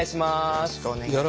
よろしくお願いします。